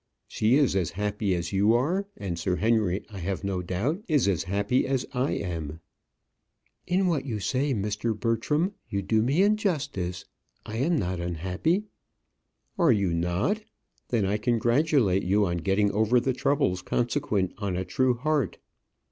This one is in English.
She is as happy as you are? and Sir Henry, I have no doubt, is as happy as I am." "In what you say, Mr. Bertram, you do me injustice; I am not unhappy." "Are you not? then I congratulate you on getting over the troubles consequent on a true heart."